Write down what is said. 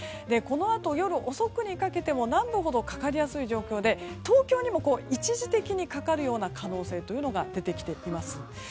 このあと夜遅くにかけても南部ほどかかりやすい状況で東京にも一時的にかかるような可能性が出てきています。